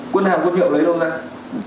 quân hàng quân hiệu lấy đâu ra